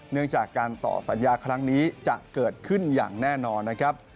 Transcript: เนื่องจากการต่อสัญญาครั้งนี้จะเกิดขึ้นอย่างแน่นอนนะครับ